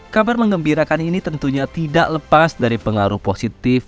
kabar mengembirakan ini tentunya tidak lepas dari pengaruh positif